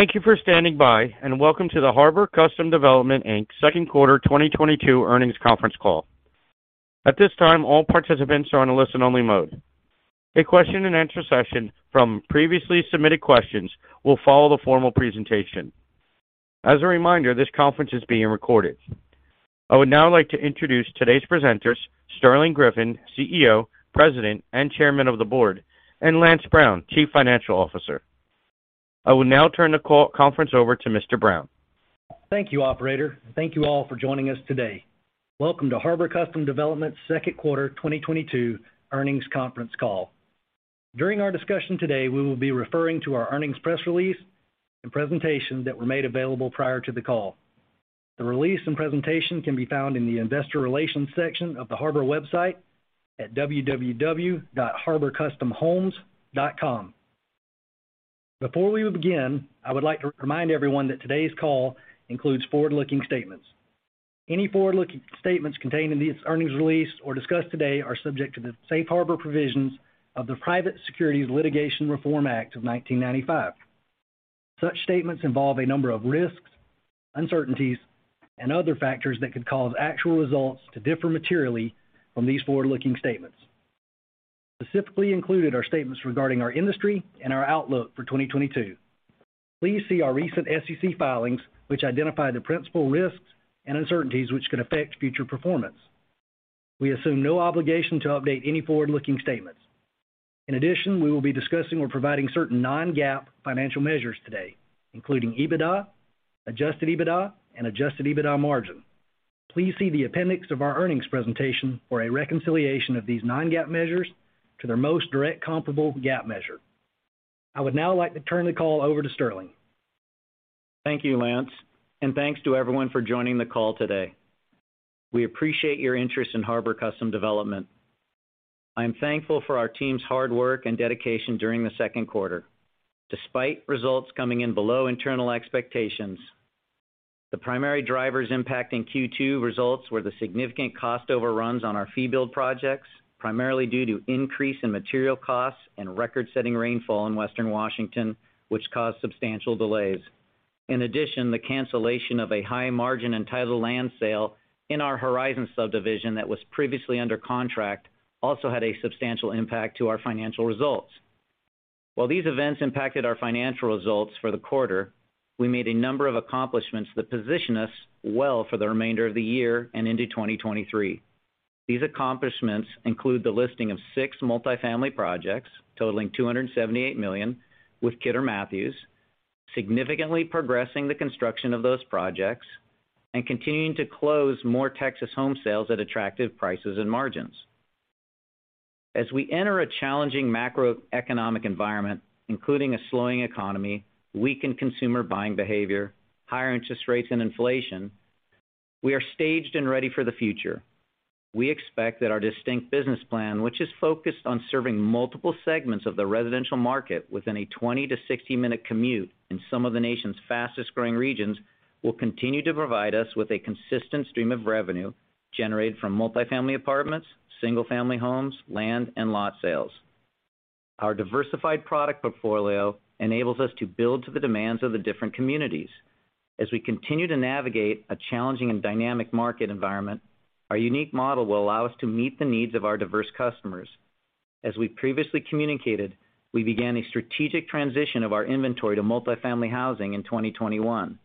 Thank you for standing by, and welcome to the Harbor Custom Development, Inc.'s second quarter 2022 earnings conference call. At this time, all participants are on a listen-only mode. A question-and-answer session from previously submitted questions will follow the formal presentation. As a reminder, this conference is being recorded. I would now like to introduce today's presenters, Sterling Griffin, CEO, President, and Chairman of the Board, and Lance Brown, Chief Financial Officer. I will now turn the conference over to Mr. Brown. Thank you, operator. Thank you all for joining us today. Welcome to Harbor Custom Development second quarter 2022 earnings conference call. During our discussion today, we will be referring to our earnings press release and presentation that were made available prior to the call. The release and presentation can be found in the investor relations section of the Harbor website at www.harborcustomhomes. Breore we begin, I would like to remind everyone that today's call includes forward-looking statements. Any forward-looking statements contained in this earnings release or discussed today are subject to the Safe Harbor provisions of the Private Securities Litigation Reform Act of 1995. Such statements involve a number of risks, uncertainties, and other factors that could cause actual results to differ materially from these forward-looking statements. Specifically included are statements regarding our industry and our outlook for 2022. Please see our recent SEC filings, which identify the principal risks and uncertainties which could affect future performance. We assume no obligation to update any forward-looking statements. In addition, we will be discussing or providing certain non-GAAP financial measures today, including EBITDA, adjusted EBITDA, and adjusted EBITDA margin. Please see the appendix of our earnings presentation for a reconciliation of these non-GAAP measures to their most direct comparable GAAP measure. I would now like to turn the call over to Sterling. Thank you, Lance, and thanks to everyone for joining the call today. We appreciate your interest in Harbor Custom Development. I am thankful for our team's hard work and dedication during the second quarter, despite results coming in below internal expectations. The primary drivers impacting Q2 results were the significant cost overruns on our fee build projects, primarily due to increase in material costs and record-setting rainfall in Western Washington, which caused substantial delays. In addition, the cancellation of a high-margin entitled land sale in our Horizon subdivision that was previously under contract also had a substantial impact to our financial results. While these events impacted our financial results for the quarter, we made a number of accomplishments that position us well for the remainder of the year and into 2023. These accomplishments include the listing of six multifamily projects totaling $278 million with Kidder Mathews, significantly progressing the construction of those projects, and continuing to close more Texas home sales at attractive prices and margins. As we enter a challenging macroeconomic environment, including a slowing economy, weakened consumer buying behavior, higher interest rates, and inflation, we are staged and ready for the future. We expect that our distinct business plan, which is focused on serving multiple segments of the residential market within a 20- to 60 minute commute in some of the nation's fastest-growing regions, will continue to provide us with a consistent stream of revenue generated from multifamily apartments, single-family homes, land, and lot sales. Our diversified product portfolio enables us to build to the demands of the different communities. As we continue to navigate a challenging and dynamic market environment, our unique model will allow us to meet the needs of our diverse customers. As we previously communicated, we began a strategic transition of our inventory to multifamily housing in 2021.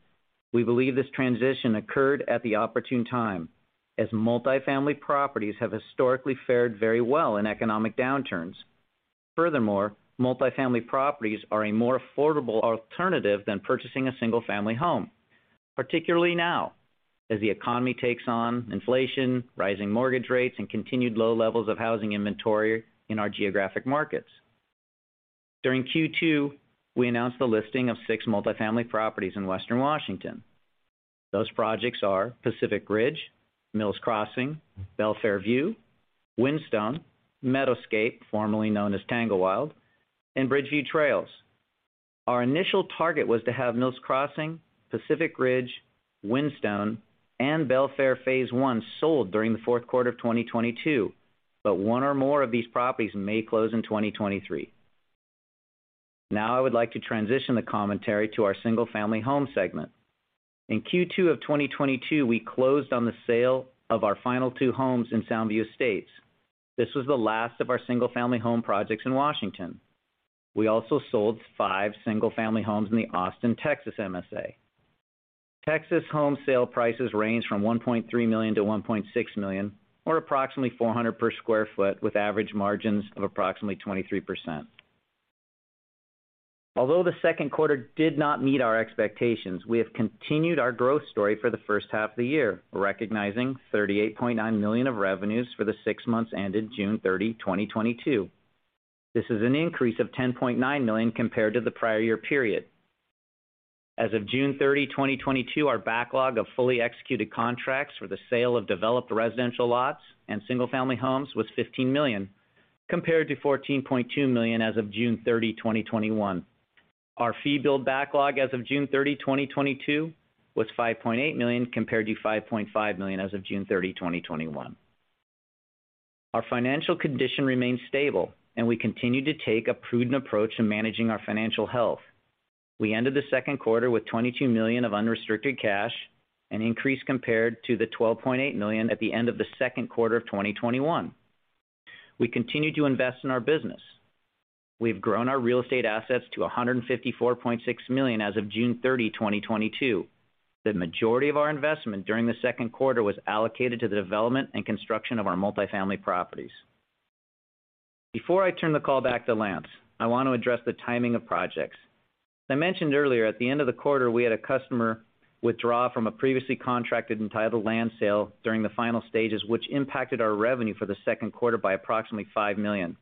We believe this transition occurred at the opportune time, as multifamily properties have historically fared very well in economic downturns. Furthermore, multifamily properties are a more affordable alternative than purchasing a single-family home, particularly now as the economy takes on inflation, rising mortgage rates, and continued low levels of housing inventory in our geographic markets. During Q2, we announced the listing of six multifamily properties in Western Washington. Those projects are Pacific Ridge, Mills Crossing, Belfair View, Windstone, Meadowscape, formerly known as Tanglewild, and Bridgeview Trails. Our initial target was to have Mills Crossing, Pacific Ridge, Windstone, and Belfair Phase One sold during the fourth quarter of 2022, but one or more of these properties may close in 2023. Now I would like to transition the commentary to our single-family home segment. In Q2 of 2022, we closed on the sale of our final two homes in Soundview Estates. This was the last of our single-family home projects in Washington. We also sold five single-family homes in the Austin, Texas MSA. Texas home sale prices range from $1.3 million-$1.6 million, or approximately $400 per sq ft, with average margins of approximately 23%. Although the second quarter did not meet our expectations, we have continued our growth story for the first half of the year, recognizing $38.9 million of revenues for the six months ended June 30, 2022. This is an increase of $10.9 million compared to the prior year period. As of June 30, 2022, our backlog of fully executed contracts for the sale of developed residential lots and single-family homes was $15 million, compared to $14.2 million as of June 30, 2021. Our fee build backlog as of June 30, 2022 was $5.8 million, compared to $5.5 million as of June 30, 2021. Our financial condition remains stable, and we continue to take a prudent approach in managing our financial health. We ended the second quarter with $22 million of unrestricted cash, an increase compared to the $12.8 million at the end of the second quarter of 2021. We continue to invest in our business. We've grown our real estate assets to $154.6 million as of June 30, 2022. The majority of our investment during the second quarter was allocated to the development and construction of our multifamily properties. Before I turn the call back to Lance, I want to address the timing of projects. As I mentioned earlier, at the end of the quarter, we had a customer withdraw from a previously contracted entitled land sale during the final stages, which impacted our revenue for the second quarter by approximately $5 million.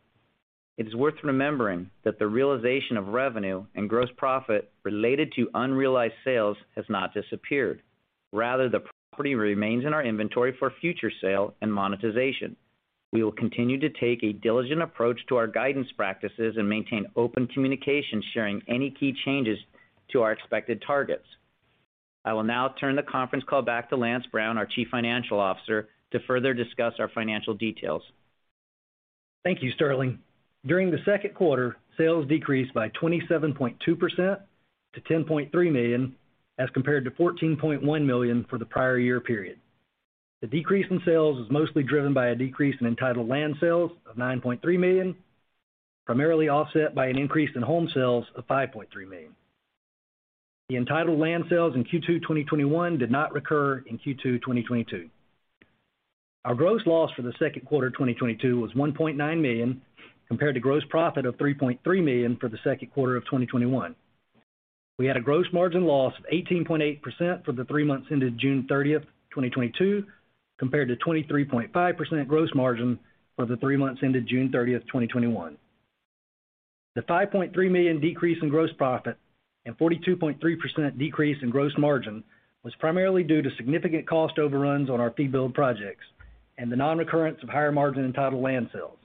It is worth remembering that the realization of revenue and gross profit related to unrealized sales has not disappeared. Rather, the property remains in our inventory for future sale and monetization. We will continue to take a diligent approach to our guidance practices and maintain open communication, sharinjg any key changes to our expected targets. I will now turn the conference call back to Lance Brown, our Chief Financial Officer, to further discuss our financial details. Thank you, Sterling. During the second quarter, sales decreased by 27.2% to $10.3 million as compared to $14.1 million for the prior year period. The decrease in sales is mostly driven by a decrease in entitled land sales of $9.3 million, primarily offset by an increase in home sales of $5.3 million. The entitled land sales in Q2 2021 did not recur in Q2 2022. Our gross loss for the second quarter 2022 was $1.9 million, compared to gross profit of $3.3 million for the second quarter of 2021. We had a gross margin loss of 18.8% for the three months ended June 30th, 2022, compared to 23.5% gross margin for the three months ended June 30th, 2021. The $5.3 million decrease in gross profit and 42.3% decrease in gross margin was primarily due to significant cost overruns on our fee build projects and the non-recurrence of higher margin entitled land sales.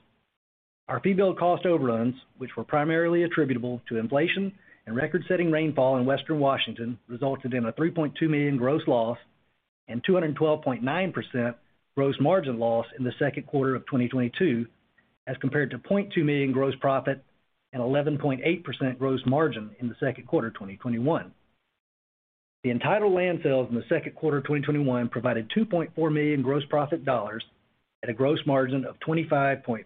Our fee build cost overruns, which were primarily attributable to inflation and record-setting rainfall in Western Washington, resulted in a $3.2 million gross loss and 212.9% gross margin loss in the second quarter of 2022, as compared to $0.2 million gross profit and 11.8% gross margin in the second quarter of 2021. The entitled land sales in the second quarter of 2021 provided $2.4 million gross profit dollars at a gross margin of 25.5%.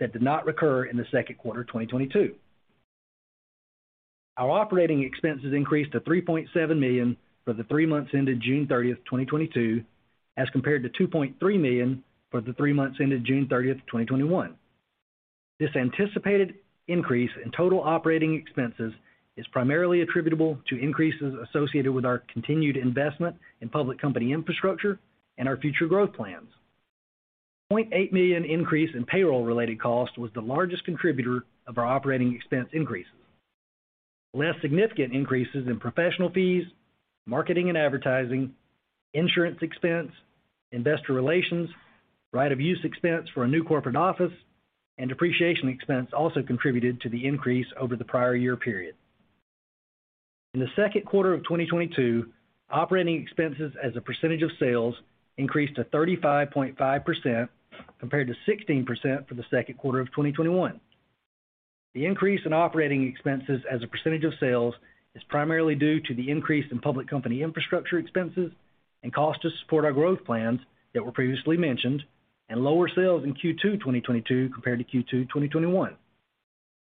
That did not recur in the second quarter of 2022. Our operating expenses increased to $3.7 million for the three months ended June 30th, 2022, as compared to $2.3 million for the three months ended June 30th, 2021. This anticipated increase in total operating expenses is primarily attributable to increases associated with our continued investment in public company infrastructure and our future growth plans. The $0.8 million increase in payroll-related costs was the largest contributor of our operating expense increases. Less significant increases in professional fees, marketing and advertising, insurance expense, investor relations, right-of-use expense for a new corporate office, and depreciation expense also contributed to the increase over the prior year period. In the second quarter of 2022, operating expenses as a % of sales increased to 35.5% compared to 16% for the second quarter of 2021. The increase in operating expenses as a % of sales is primarily due to the increase in public company infrastructure expenses and cost to support our growth plans that were previously mentioned and lower sales in Q2 2022 compared to Q2 2021.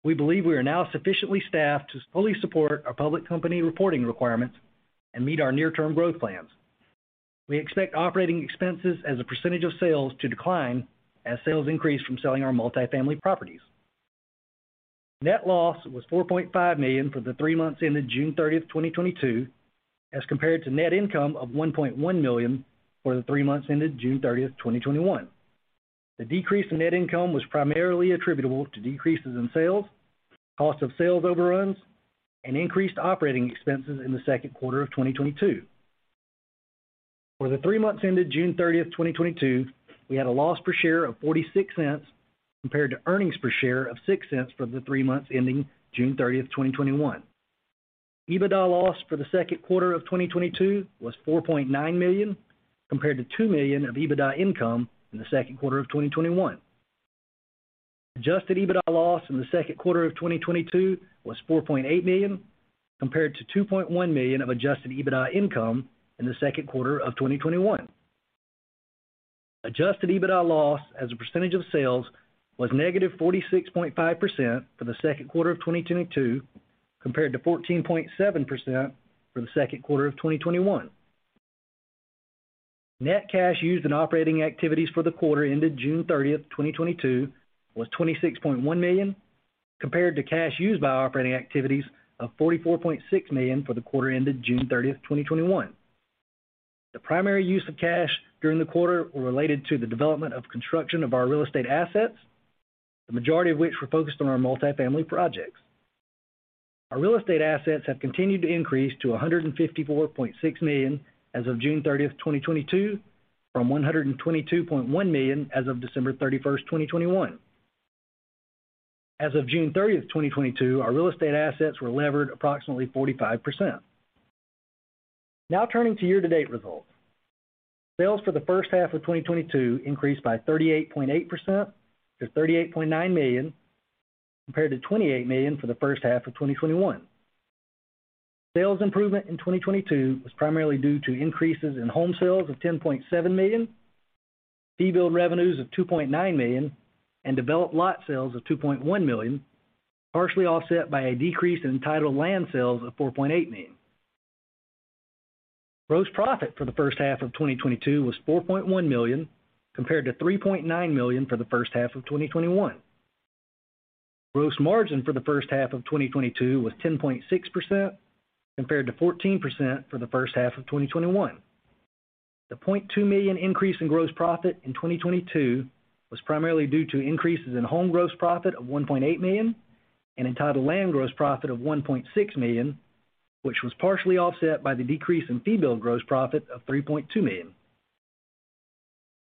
We believe we are now sufficiently staffed to fully support our public company reporting requirements and meet our near-term growth plans. We expect operating expenses as a % of sales to decline as sales increase from selling our multifamily properties. Net loss was $4.5 million for the three months ended June 30, 2022, as compared to net income of $1.1 million for the three months ended June 30, 2021. The decrease in net income was primarily attributable to decreases in sales, cost of sales overruns, and increased operating expenses in the second quarter of 2022. For the three months ended June 30, 2022, we had a loss per share of $0.46 compared to earnings per share of $0.06 for the three months ending June 30, 2021. EBITDA loss for the second quarter of 2022 was $4.9 million, compared to $2 million of EBITDA income in the second quarter of 2021. Adjusted EBITDA loss in the second quarter of 2022 was $4.8 million, compared to $2.1 million of adjusted EBITDA income in the second quarter of 2021. Adjusted EBITDA loss as a % of sales was -46.5% for the second quarter of 2022, compared to 14.7% for the second quarter of 2021. Net cash used in operating activities for the quarter ended June 30, 2022, was $26.1 million, compared to cash used by operating activities of $44.6 million for the quarter ended June 30, 2021. The primary use of cash during the quarter were related to the development and construction of our real estate assets, the majority of which were focused on our multifamily projects. Our real estate assets have continued to increase to $154.6 million as of June 30, 2022, from $122.1 million as of December 31, 2021. As of June 30, 2022, our real estate assets were levered approximately 45%. Now turning to year-to-date results. Sales for the first half of 2022 increased by 38.8% to $38.9 million, compared to $28 million for the first half of 2021. Sales improvement in 2022 was primarily due to increases in home sales of $10.7 million, fee build revenues of $2.9 million, and developed lot sales of $2.1 million, partially offset by a decrease in entitled land sales of $4.8 million. Gross profit for the first half of 2022 was $4.1 million compared to $3.9 million for the first half of 2021. Gross margin for the first half of 2022 was 10.6% compared to 14% for the first half of 2021. The $0.2 million increase in gross profit in 2022 was primarily due to increases in home gross profit of $1.8 million and entitled land gross profit of $1.6 million, which was partially offset by the decrease in fee build gross profit of $3.2 million.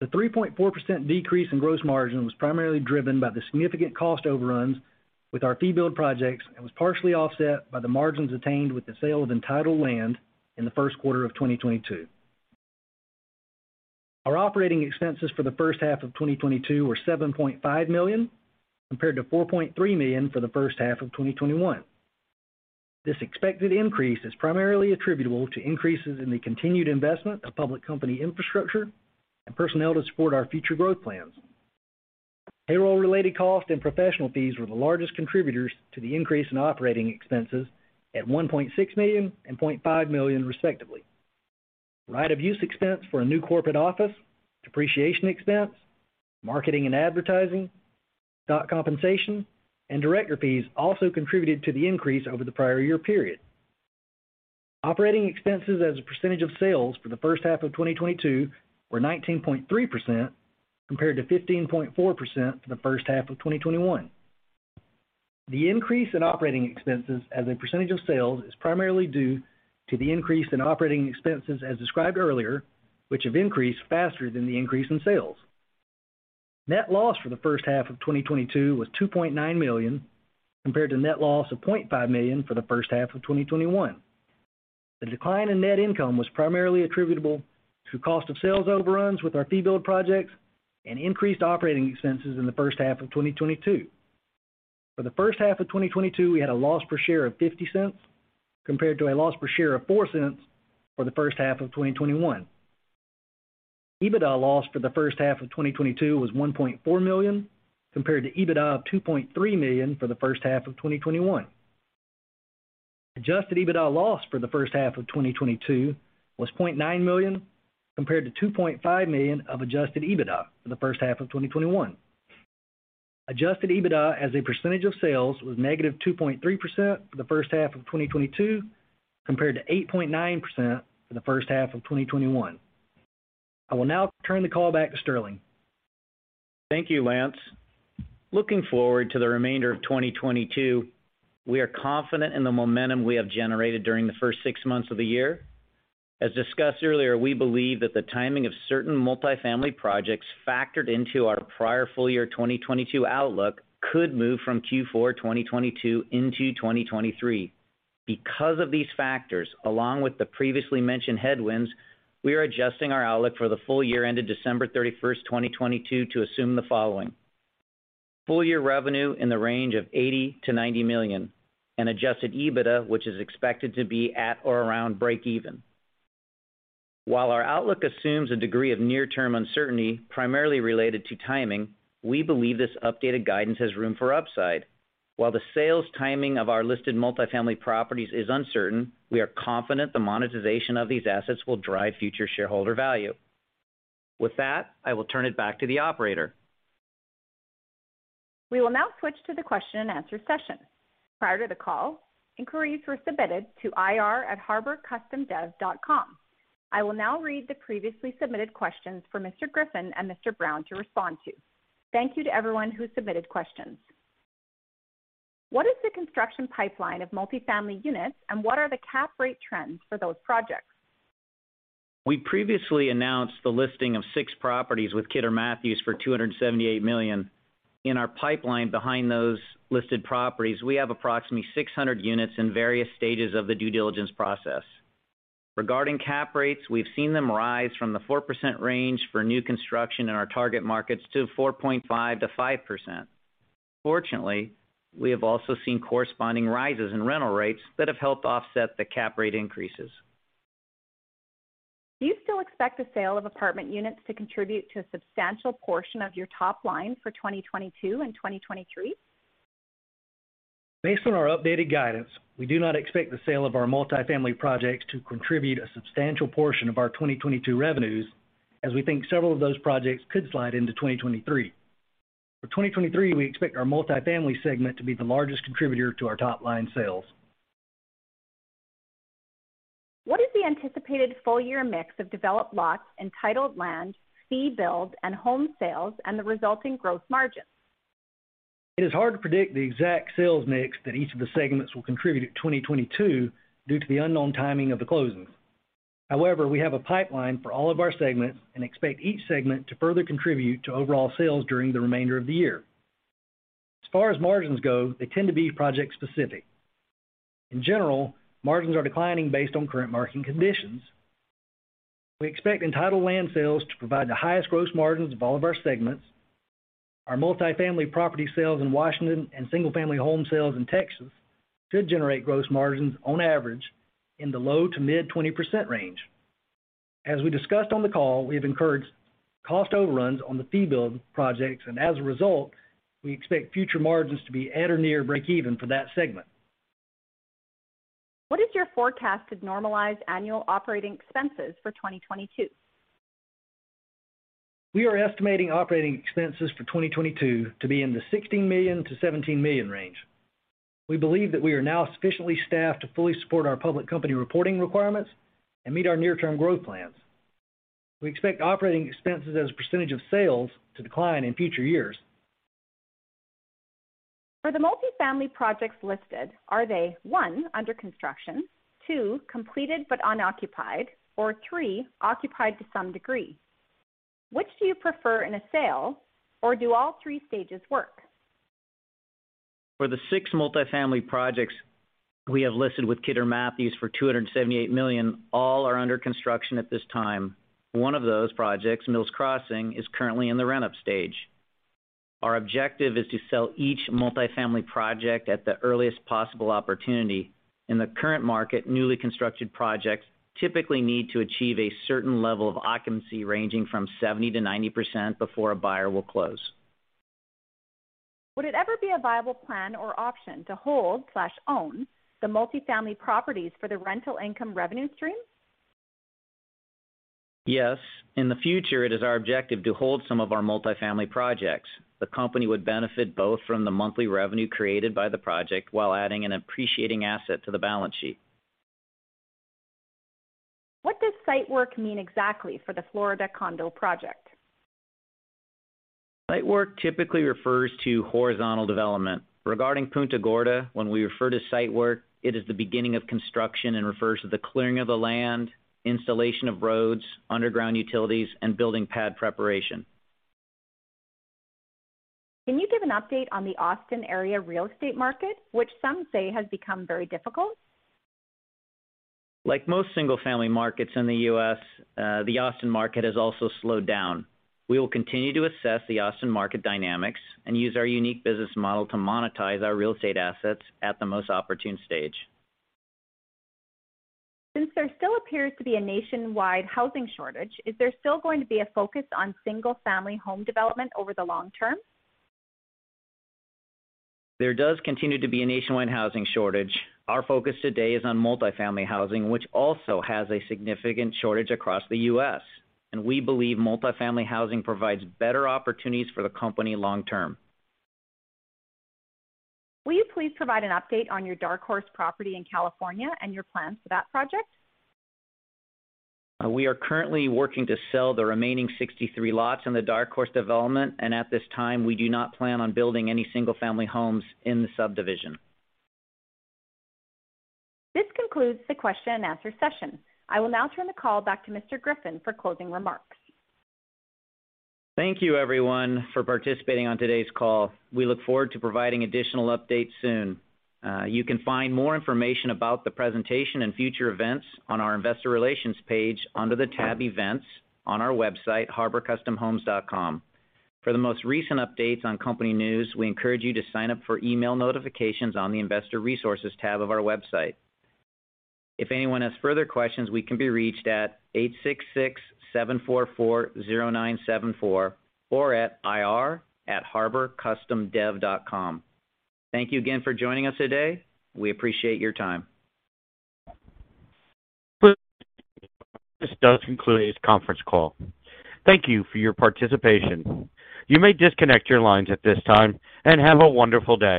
The 3.4% decrease in gross margin was primarily driven by the significant cost overruns with our fee build projects, and was partially offset by the margins attained with the sale of entitled land in the first quarter of 2022. Our operating expenses for the first half of 2022 were $7.5 million, compared to $4.3 million for the first half of 2021. This expected increase is primarily attributable to increases in the continued investment of public company infrastructure and personnel to support our future growth plans. Payroll-related costs and professional fees were the largest contributors to the increase in operating expenses at $1.6 million and $0.5 million, respectively. Right of use expense for a new corporate office, depreciation expense, marketing and advertising, stock compensation, and director fees also contributed to the increase over the prior year period. Operating expenses as a % of sales for the first half of 2022 were 19.3%, compared to 15.4% for the first half of 2021. The increase in operating expenses as a % of sales is primarily due to the increase in operating expenses as described earlier, which have increased faster than the increase in sales. Net loss for the first half of 2022 was $2.9 million, compared to net loss of $0.5 million for the first half of 2021. The decline in net income was primarily attributable to cost of sales overruns with our fee build projects and increased operating expenses in the first half of 2022. For the first half of 2022, we had a loss per share of $0.50, compared to a loss per share of $0.04 for the first half of 2021. EBITDA loss for the first half of 2022 was $1.4 million, compared to EBITDA of $2.3 million for the first half of 2021. Adjusted EBITDA loss for the first half of 2022 was $0.9 million, compared to $2.5 million of adjusted EBITDA for the first half of 2021. Adjusted EBITDA as a % of sales was -2.3% for the first half of 2022, compared to 8.9% for the first half of 2021. I will now turn the call back to Sterling. Thank you, Lance. Looking forward to the remainder of 2022, we are confident in the momentum we have generated during the first six months of the year. As discussed earlier, we believe that the timing of certain multifamily projects factored into our prior full year 2022 outlook could move from Q4 2022 into 2023. Because of these factors, along with the previously mentioned headwinds, we are adjusting our outlook for the full year ended December thirty-first, 2022 to assume the following. Full year revenue in the range of $80 million-$90 million and adjusted EBITDA, which is expected to be at or around breakeven. While our outlook assumes a degree of near-term uncertainty, primarily related to timing, we believe this updated guidance has room for upside. While the sales timing of our listed multifamily properties is uncertain, we are confident the monetization of these assets will drive future shareholder value. With that, I will turn it back to the operator. We will now switch to the question-and-answer session. Prior to the call, inquiries were submitted to ir@harborcustomdev.com. I will now read the previously submitted questions for Mr. Griffin and Mr. Brown to respond to. Thank you to everyone who submitted questions. What is the construction pipeline of multifamily units, and what are the cap rate trends for those projects? We previously announced the listing of 6 properties with Kidder Mathews for $278 million. In our pipeline behind those listed properties, we have approximately 600 units in various stages of the due diligence process. Regarding cap rates, we've seen them rise from the 4% range for new construction in our target markets to 4.5%-5%. Fortunately, we have also seen corresponding rises in rental rates that have helped offset the cap rate increases. Do you still expect the sale of apartment units to contribute to a substantial portion of your top line for 2022 and 2023? Based on our updated guidance, we do not expect the sale of our multifamily projects to contribute a substantial portion of our 2022 revenues as we think several of those projects could slide into 2023. For 2023, we expect our multifamily segment to be the largest contributor to our top line sales. What is the anticipated full year mix of developed lots, entitled land, fee build, and home sales, and the resulting growth margins? It is hard to predict the exact sales mix that each of the segments will contribute to 2022 due to the unknown timing of the closings. However, we have a pipeline for all of our segments and expect each segment to further contribute to overall sales during the remainder of the year. As far as margins go, they tend to be project specific. In general, margins are declining based on current market conditions. We expect entitled land sales to provide the highest gross margins of all of our segments. Our multifamily property sales in Washington and single-family home sales in Texas should generate gross margins on average in the low- to mid-20% range. As we discussed on the call, we have encouraged cost overruns on the fee build projects, and as a result, we expect future margins to be at or near breakeven for that segment. What is your forecast to normalize annual operating expenses for 2022? We are estimating operating expenses for 2022 to be in the $16 million-$17 million range. We believe that we are now sufficiently staffed to fully support our public company reporting requirements and meet our near-term growth plans. We expect operating expenses as a % of sales to decline in future years. For the multifamily projects listed, are they, one, under construction? Two, completed but unoccupied? Or three, occupied to some degree? Which do you prefer in a sale, or do all three stages work? For the six multifamily projects we lhave listed with Kidder Mathews for $278 million, all are under construction at this time. One of those projects, Mills Crossing, is currently in the rent-up stage. Our objective is to sell each multifamily project at the earliest possible opportunity. In the current market, newly constructed projects typically need to achieve a certain level of occupancy, ranging from 70%-90% before a buyer will close. Would it ever be a viable plan or option to hold or own the multifamily properties for the rental income revenue stream? Yes. In the future, it is our objective to hold some of our multifamily projects. The company would benefit both from the monthly revenue created by the project while adding an appreciating asset to the balance sheet. What does site work mean exactly for the Florida condo project? Site work typically refers to horizontal development. Regarding Punta Gorda, when we refer to site work, it is the beginning of construction and refers to the clearing of the land, installation of roads, underground utilities, and building pad preparation. Can you give an update on the Austin area real estate market, which some say has become very difficult? Like most single-family markets in the U.S., the Austin market has also slowed down. We will continue to assess the Austin market dynamics and use our unique business model to monetize our real estate assets at the most opportune stage. Since there still appears to be a nationwide housing shortage, is there still going to be a focus on single-family home development over the long term? There does continue to be a nationwide housing shortage. Our focus today is on multifamily housing, which also has a significant shortage across the U.S.. We believe multifamily housing provides better opportunities for the company long term. Will you please provide an update on your Dark Horse property in California and your plans for that project? We are currently working to sell the remaining 63 lots in the Dark Horse development, and at this time, we do not plan on building any single family homes in the subdivision. This concludes the question and answer session. I will now turn the call back to Mr. Griffin for closing remarks. Thank you everyone for participating on today's call. We look forward to providing additional updates soon. You can find more information about the presentation and future events on our investor relations page under the tab Events on our website, harborcustomhomes.com. For the most recent updates on company news, we encourage you to sign up for email notifications on the Investor Resources tab of our website. If anyone has further questions, we can be reached at 866-744-0974 or at ir@harborcustomdev.com. Thank you again for joining us today. We appreciate your time. This does conclude today's conference call. Thank you for your participation. You may disconnect your lines at this time, and have a wonderful day.